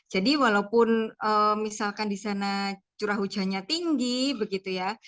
jadi walaupun misalkan di sana curah hujannya tinggi begitu ya